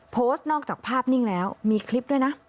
นอกจากภาพนิ่งแล้วมีคลิปด้วยนะ